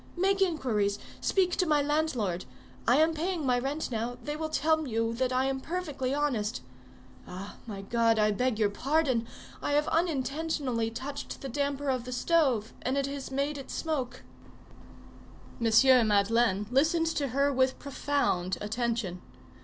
Make inquiries, speak to my landlord; I am paying my rent now; they will tell you that I am perfectly honest. Ah! my God! I beg your pardon; I have unintentionally touched the damper of the stove, and it has made it smoke." M. Madeleine listened to her with profound attention.